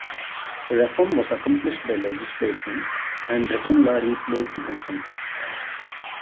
Reform was accomplished by legislation, and written law replaced consensus.